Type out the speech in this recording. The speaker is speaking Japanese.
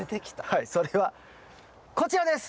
はいそれはこちらです。